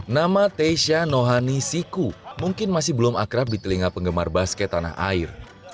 nama teisya nohani siku mungkin masih belum akrab di telinga penggemar basket tanah air